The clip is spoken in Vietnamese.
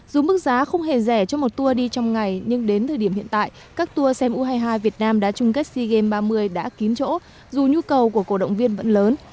dù mức giá không hề rẻ cho một tour đi trong ngày nhưng đến thời điểm hiện tại các tour xem u hai mươi hai việt nam đã chung kết sea games ba mươi đã kín chỗ dù nhu cầu của cổ động viên vẫn lớn